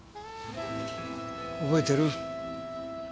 覚えてる？